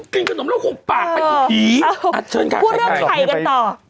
กินขนมเรากลงปากไปอีกทีอ้าวเชิญค่ะพูดเรื่องใครกันต่อ